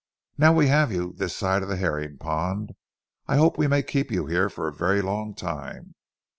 Now we have you this side of the herring pond, I hope we may keep you here for a very long time.